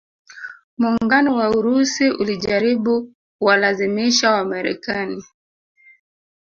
Muungano wa Urusi ulijaribu kuwalazimisha Wamarekani